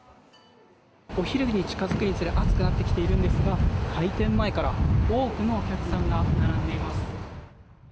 お昼に近づくにつれ暑くなってきているんですが開店前から多くのお客さんが並んでいます。